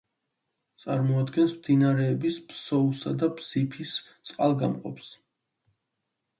წარმოადგენს მდინარეების ფსოუსა და ბზიფის წყალგამყოფს.